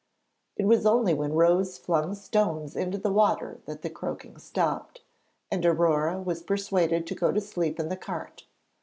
It was only when Rose flung stones into the water that the croaking stopped, and Aurore was persuaded to go to sleep in the cart.